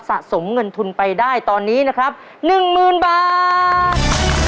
สะสมเงินทุนไปได้ตอนนี้นะครับ๑๐๐๐บาท